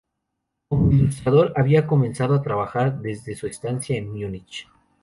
Como ilustrador, había comenzado a trabajar desde su estancia en Múnich.